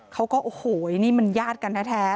เขาก็โอ้โหนี่มันญาติกันแท้